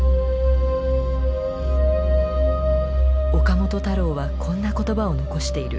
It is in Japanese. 岡本太郎はこんな言葉を残している。